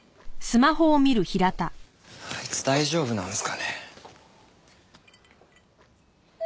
あいつ大丈夫なんすかね？